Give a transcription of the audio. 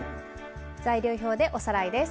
材料表でおさらいです。